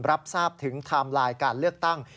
รับทราบถึงไทม์ไลน์การเลือกตั้ง